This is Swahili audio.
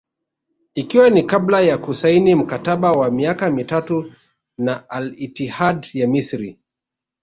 Ikiwa ni kabla ya kusaini mkataba wa miaka mitatu na Al Ittihad ya Misri